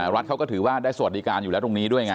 รัฐเขาก็ถือว่าได้สวัสดิการอยู่แล้วตรงนี้ด้วยไง